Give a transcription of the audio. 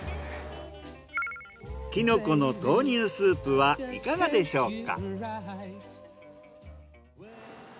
キノコの豆乳スープはいかがでしょうか？